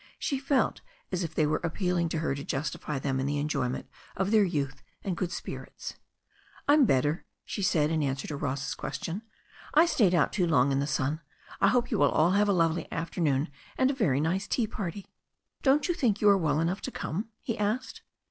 She felt as if they were appealing to her to justify them in the enjoyment of their youth and good spirits. "I'm better," she said, in answer to Ross's question. "I stayed out too long in the sun. I hope you will all have a lovely afternoon and a very nice tea party." "Don't you think you are well enough to come?" he asked.